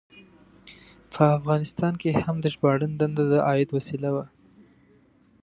په افغانستان کې هم د ژباړن دنده د عاید وسیله وه.